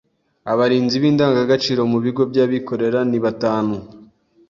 Abarinzi b’indangagaciro mu bigo by’abikorera nibatanu